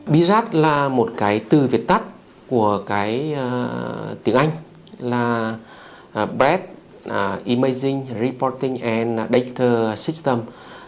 biras là một từ việt tắt của tiếng anh là bread imaging reporting and data system